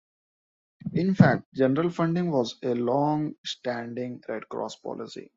In fact, general funding was a long-standing Red Cross policy.